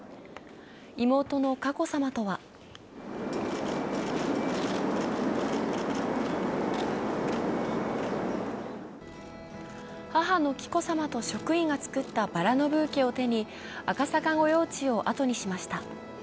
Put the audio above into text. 妹の佳子さまとは母の紀子さまと職員が作ったばらのブーケを手に赤坂御用地を後にしました。